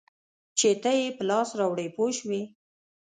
چې ته یې په لاس راوړې پوه شوې!.